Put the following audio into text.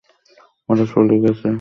ওরা চলে গেছে!